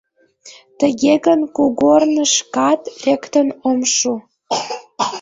Тыге гын, кугорнышкат лектын ом шу.